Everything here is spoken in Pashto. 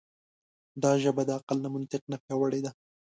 دا ژبه د عقل له منطق نه پیاوړې ده.